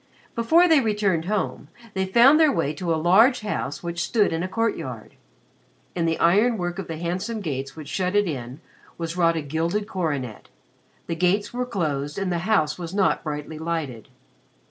Before they returned home, they found their way to a large house which stood in a courtyard. In the iron work of the handsome gates which shut it in was wrought a gilded coronet. The gates were closed and the house was not brightly lighted.